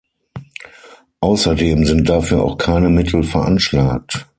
Außerdem sind dafür auch keine Mittel veranschlagt.